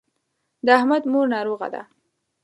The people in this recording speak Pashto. د احمد مور ناروغه ده.